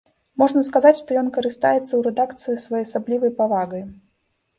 Можна сказаць, што ён карыстаецца ў рэдакцыі своеасаблівай павагай.